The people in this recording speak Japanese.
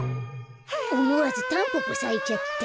おもわずタンポポさいちゃった。